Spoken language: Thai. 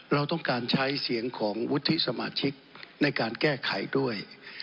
เราต้องการใช้เสียงของวุฒิสมาชิกในการแก้ไขด้วย